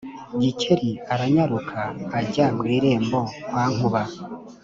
Gikeli aranyaruka ajya mu irembo kwa Nkuba.